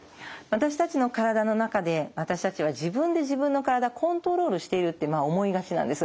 私たちの体の中で私たちは自分で自分の体コントロールしているってまあ思いがちなんです。